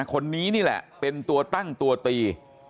คนนี้นี่แหละเป็นตัวตั้งตัวตี